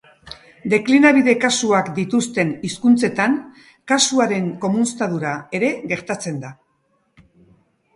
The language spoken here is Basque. Deklinabide kasuak dituzten hizkuntzetan, kasuaren komunztadura ere gertatzen da.